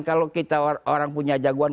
kalau kita orang punya jagoan